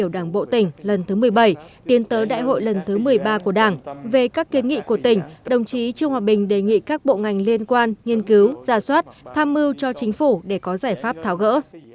đồng chí trung hoa bình đề nghị các bộ ngành liên quan nghiên cứu ra soát tham mưu cho chính phủ để có giải pháp tháo gỡ